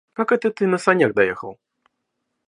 Как это ты на санях доехал?